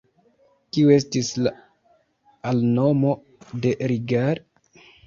Kiu estis la alnomo de Rigar?